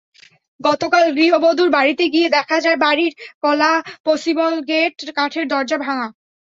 গতকাল গৃহবধূর বাড়িতে গিয়ে দেখা যায়, বাড়ির কলাপসিবল গেট, কাঠের দরজা ভাঙা।